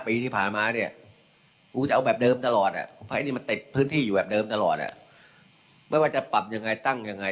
ในวันนี้จากปีภาพที่ผ่านมาพอหลายบาท